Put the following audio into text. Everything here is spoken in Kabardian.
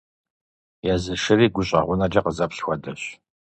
Езы шыри гущӀэгъунэкӀэ къызэплъ хуэдэщ.